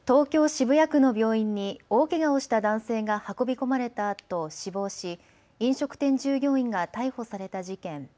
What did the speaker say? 渋谷区の病院に大けがをした男性が運び込まれたあと死亡し飲食店従業員が逮捕された事件。